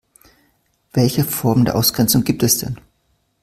Welche Formen der Ausgrenzung gibt es denn?